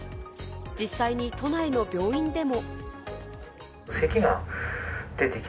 実際に都内の病院でも。